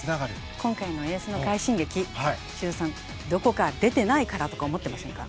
今回のエースの快進撃修造さん、どこか出てないからと思ってませんか？